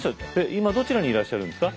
今どちらにいらっしゃるんですか？